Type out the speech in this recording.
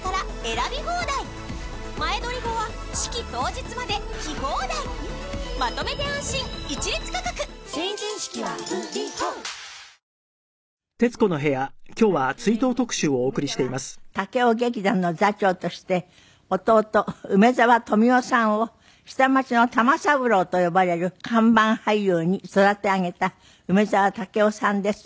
続いては大衆演劇梅沢武生劇団の座長として弟梅沢富美男さんを下町の玉三郎と呼ばれる看板俳優に育て上げた梅沢武生さんです。